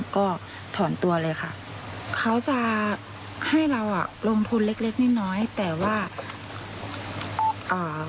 ก็ถอนตัวเลยค่ะเขาจะให้เราอ่ะลงทุนเล็กเล็กน้อยแต่ว่าอ่า